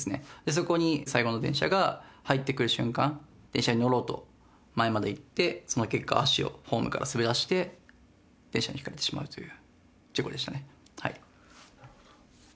そこに最後の電車が入ってくる瞬間、電車に乗ろうと前まで行って、その結果、足をホームから滑らせて、電車にひかれてしまうという事故でしたね。